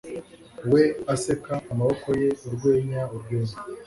we. Aseka. Amaboko ye. Urwenya. Urwenya.